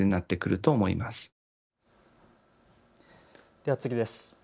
では次です。